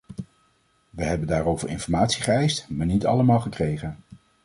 We hebben daarover informatie geëist maar niet allemaal gekregen.